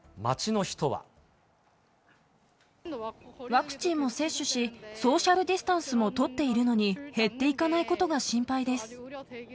ワクチンも接種し、ソーシャルディスタンスも取っているのに、減っていかないことが心配です。